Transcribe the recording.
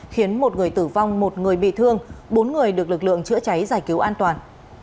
khiến một người tử vong một người bị thương bốn người được lực lượng chữa cháy giải cứu an toàn